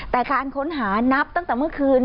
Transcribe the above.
แต่การค้นหานับตั้งแต่เมื่อคืน